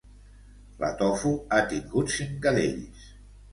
La Tofu ha tingut cinc cadells